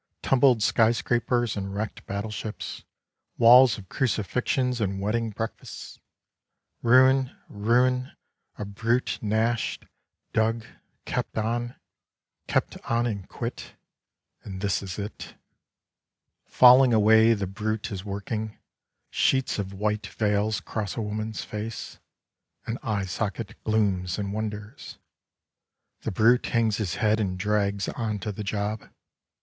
tumbled skyscrapers and wrecked battleships, walls of crucifixions and wedding breakfasts; ruin, ruin — a brute gnashed, dug, kept on — kept on and quit: and this is It. Slabs of the Sunburnt West 75 Falling away, the brute is working. Sheets of white veils cross a woman's face. An eye socket glooms and wonders. The brute hangs his head and drags on to the job.